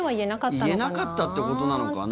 言えなかったってことなのかな。